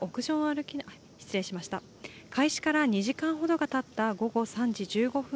開始から２時間ほどがたった午後３時１５分